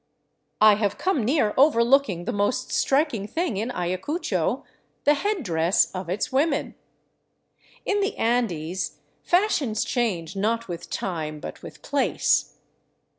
I have come near overlooking the most striking thing in Ayacucho, — the head dress of its women. In the Andes fashions change not with time, but with place.